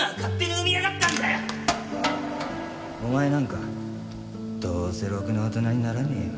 お前なんかどうせろくな大人にならねえよ